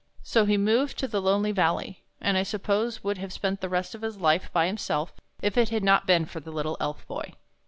So he moved to the lonely valley, and I suppose would have spent the rest of his life by himself, if it had not been for the little Elf Boy.